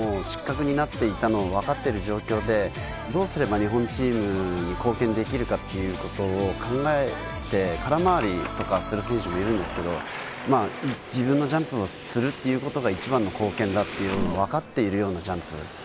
失格になっていたのは分かっている状況でどうすれば日本チームに貢献できるかっていうことを考えて、から回りする選手もいるんですけど、自分のジャンプをするっていうことが一番の貢献だっていうのは分かっているようなジャンプ。